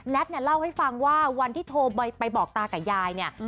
เนี่ยเล่าให้ฟังว่าวันที่โทรไปบอกตากับยายเนี่ย